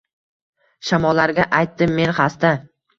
Shamollarga aytdim men xasta